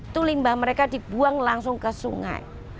itu limbah mereka dibuang langsung ke sungai